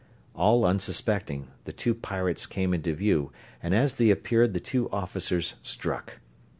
All unsuspecting, the two pirates came into view, and as they appeared the two officers struck.